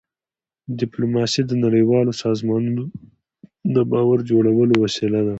ډيپلوماسي د نړیوالو سازمانونو د باور جوړولو وسیله ده.